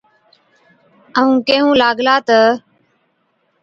ائُون ڪيھُون لاگلا تہ